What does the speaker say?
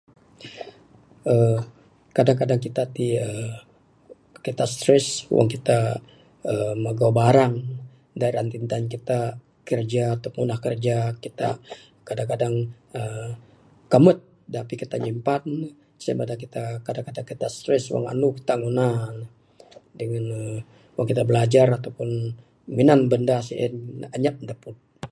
uhh Kadang kadang kitak ti' uhh kitak stress wang kitak uhh magau barang da ra kintan kitak. Kereja atau pun tundah kereja kitak kadang kadang uhh kambut dapih kitak nyimpan. Sen madak kitak kadang kadang kitak stress wang andu kitak guna ne dengan uhh wang kitak bilajar atau pun minan benda si'en anyap dapud.